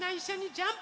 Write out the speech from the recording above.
ジャンプ！！」